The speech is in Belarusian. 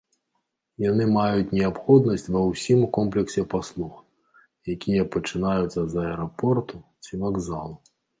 Яны маюць неабходнасць ва ўсім комплексе паслуг, якія пачынаюцца з аэрапорту ці вакзалу.